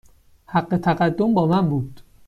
حق تقدم با من بود.